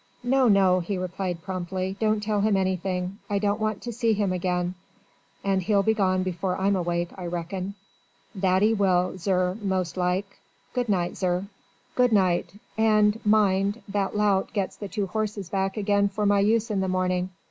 "No, no," he replied promptly. "Don't tell him anything. I don't want to see him again: and he'll be gone before I'm awake, I reckon." "That 'e will, zir, most like. Good night, zir." "Good night. And mind that lout gets the two horses back again for my use in the morning.